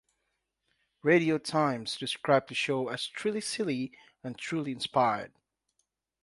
"Radio Times" described the show as "truly silly and truly inspired".